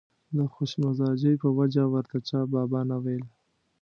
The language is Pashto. د خوش مزاجۍ په وجه ورته چا بابا نه ویل.